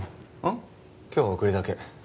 ん？今日は送りだけ。